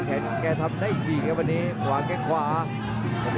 คนกินท้าพยายามจะเสียบด้วยขวาของคนสัตว์ครับ